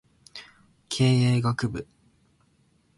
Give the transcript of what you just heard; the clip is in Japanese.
経営学部